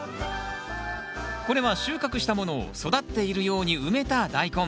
これは収穫したものを育っているように埋めたダイコン。